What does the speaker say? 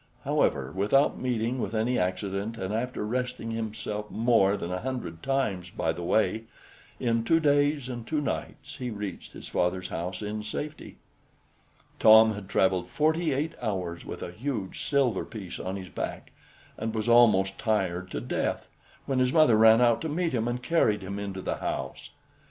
However, without meeting with any accident and after resting himself more than a hundred times by the way, in two days and two nights he reached his father's house in safety. Tom had traveled forty eight hours with a huge silver piece on his back, and was almost tired to death, when his mother ran out to meet him, and carried him into the house.